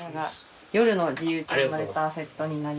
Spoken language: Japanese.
夜の自由丁のレターセットになります。